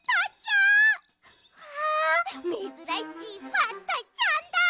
うわめずらしいバッタちゃんだ。